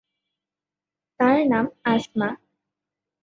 তার নাম আসমা।